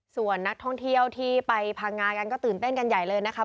ส่วนนักท่องเที่ยวที่ไปพังงากันก็ตื่นเต้นกันใหญ่เลยนะครับ